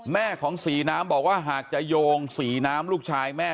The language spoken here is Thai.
แม่ของสีน้ำบอกว่าหากจะโยงสีน้ำลูกชายแม่